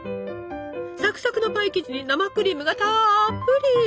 サクサクのパイ生地に生クリームがたっぷり！